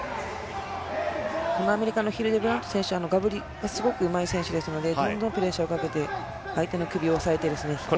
アメリカのヒルデブラント選手はがぶりがすごくうまい選手ですのでプレッシャーをかけて相手の首を押さえていますね。